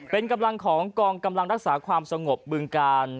เป็นกำลังของกองกำลังรักษาความสงบบึงกาล